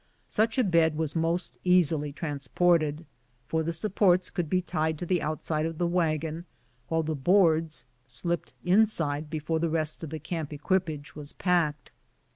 Such a bed was most easily transported, for the supports could be tied to the outside of the wagon, while the boards slipped inside before the rest of the camp equipage was packed.